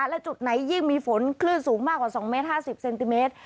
และจุดไหนยิ่งมีฝนคลื่นสูงมากกว่า๒เมตร๕๐เซนติเมตร